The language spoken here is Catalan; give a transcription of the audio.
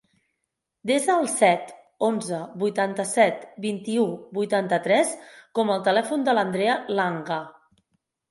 Desa el set, onze, vuitanta-set, vint-i-u, vuitanta-tres com a telèfon de l'Andrea Langa.